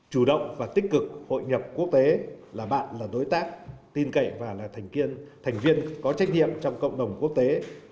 chủ động và tích cực hội nhập quốc tế là bạn là đối tác tin cậy và là thành viên có trách nhiệm trong cộng đồng quốc tế